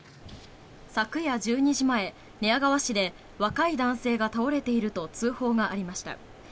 昨夜１２時前、寝屋川市で若い男性が倒れていると通報がありました。